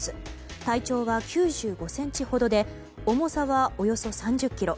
体長は９５ｃｍほどで重さはおよそ３０ｋｇ。